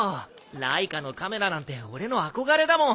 ライカのカメラなんて俺の憧れだもん。